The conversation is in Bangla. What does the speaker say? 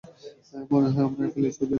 মনে হয় আমরাই ফেলেছি ওদের।